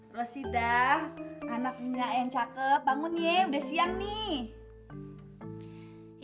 rosita anaknya yang cakep bangun ya udah siang nih